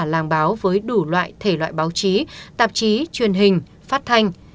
ông đã tạo ra một bài báo với đủ loại thể loại báo chí tạp chí truyền hình phát thanh